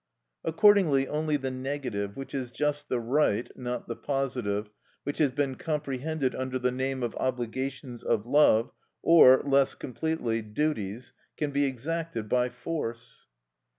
Accordingly only the negative, which is just the right, not the positive, which has been comprehended under the name of obligations of love, or, less completely, duties, can be exacted by force.